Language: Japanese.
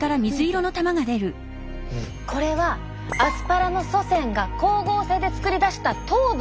これはアスパラの祖先が光合成で作り出した糖分。